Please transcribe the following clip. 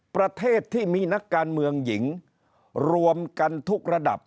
ประเทศที่มีนักการเมืองหญิงรวมกันทุกระดับ